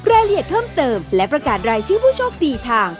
รายละเอียดเพิ่มเติมและประกาศรายชื่อผู้โชคดีทาง